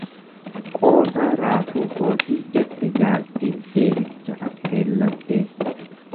Qoosaa raafuu kootii jette jaartiin eebicha affeellattee.